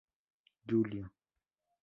Julio, fr.